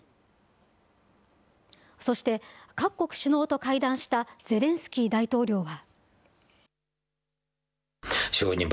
そして各国首脳と会談したゼレンスキー大統領は。